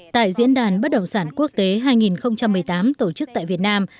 tại diễn đàn bất động sản quốc tế hai nghìn một mươi tám tổ chức tại việt nam